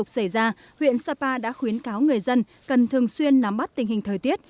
xảy ra huyện sapa đã khuyến cáo người dân cần thường xuyên nắm bắt tình hình thời tiết